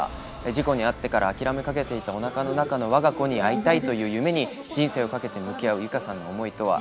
事故に遭ってから諦めかけていたおなかの中のわが子に会いたいという夢に、人生をかけて向き合う由佳さんの思いとは。